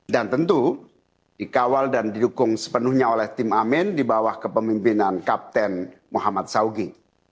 dan tentu dikawal dan didukung sepenuhnya oleh tim amin di bawah kepemimpinan kapten mohamad saugi